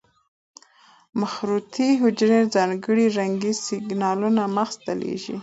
مخروطې حجرې ځانګړي رنګي سېګنال مغز ته لېږي.